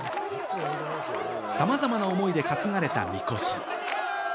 さまざまな思いで、かつがれたみこし。